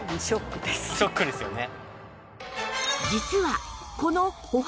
ショックですよね。